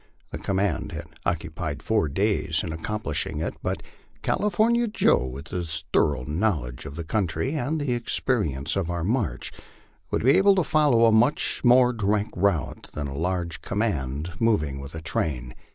The command had occupied four days in accomplishing it, but California Joe, with his thorough knowledge of the country, and the experi ence of our march, would be able to follow a much more direct route than a large command moving with a train.